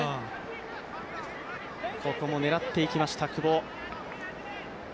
ここも狙っていきました、久保。